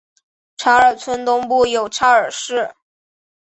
查尔村东部有嚓尔河。